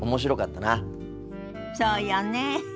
そうよね。